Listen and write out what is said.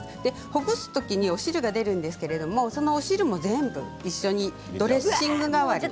ほぐすときの汁が出るんですけれどもそのお汁も全部一緒にドレッシング代わり。